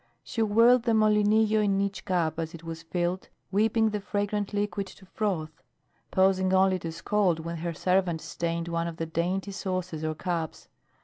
She whirled the molinillo in each cup as it was filled, whipping the fragrant liquid to froth; pausing only to scold when her servant stained one of the dainty saucers or cups.